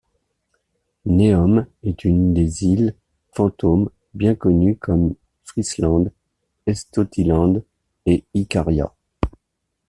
Neome est une des îles fantômes bien connues comme Frisland, Estotiland et Icaria.